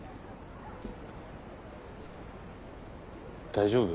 大丈夫？